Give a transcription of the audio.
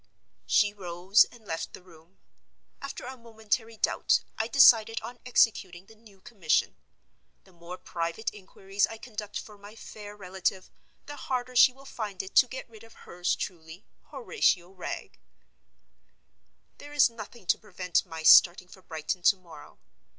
She rose, and left the room. After a momentary doubt, I decided on executing the new commission. The more private inquiries I conduct for my fair relative the harder she will find it to get rid of hers truly, Horatio Wragge. There is nothing to prevent my starting for Brighton to morrow.